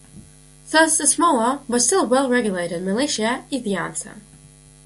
Thus, a smaller, but still well-regulated militia, is the answer.